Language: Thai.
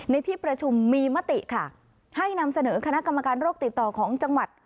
ในที่ประชุมมีมติค่ะให้นำเสนอคณะกรรมการโรคติดต่อของจังหวัด